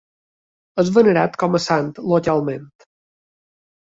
És venerat com a sant localment.